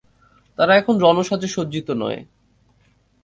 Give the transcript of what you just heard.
তারা এখন রণসাজে সজ্জিত নয়।